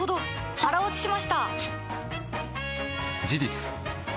腹落ちしました！